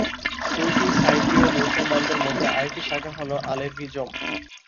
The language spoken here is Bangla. তুর্কি সাইপ্রিয় মুসলমানদের মধ্যে আরেকটি শাখা হ'ল আলেভিজম।